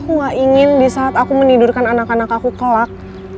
aku gak ingin di saat aku menidurkan anak anak aku kelak